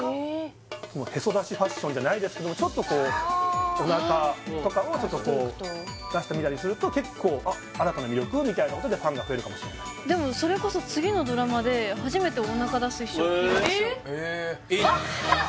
へそ出しファッションじゃないですけどもちょっとこうおなかとかをちょっとこう出してみたりすると結構「新たな魅力」みたいなことでファンが増えるかもしれないでもそれこそえっ・えーっ？